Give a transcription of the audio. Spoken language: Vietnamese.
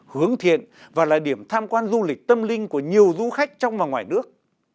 hướng thiện và là điểm tham quan du lịch tâm linh của nhiều du khách trong và ngoài nước